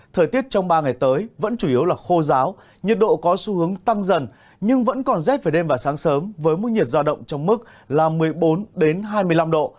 thời tiết trong ba ngày tới vẫn chủ yếu là khô giáo nhiệt độ có xu hướng tăng dần nhưng vẫn còn rét về đêm và sáng sớm với mức nhiệt giao động trong mức là một mươi bốn hai mươi năm độ